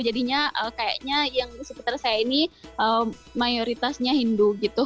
jadinya kayaknya yang seputar saya ini mayoritasnya hindu gitu